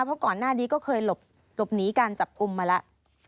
เพราะก่อนหน้านี้ก็เคยหลบหนีการจับกลุ่มมาแล้ว